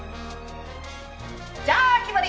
じゃあ決まり！